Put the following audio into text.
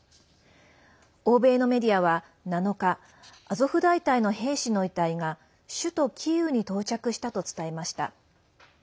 欧米のメディアは７日アゾフ大隊の兵士の遺体が首都キーウに到着したと伝えました。